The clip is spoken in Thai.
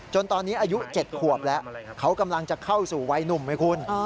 ตอนนี้อายุ๗ขวบแล้วเขากำลังจะเข้าสู่วัยหนุ่มไหมคุณ